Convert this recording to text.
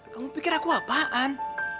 kamu pikir aku apaan